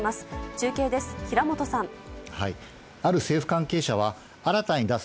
中継です。